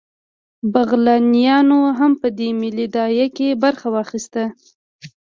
بغلانیانو هم په دې ملي داعیه کې برخه واخیسته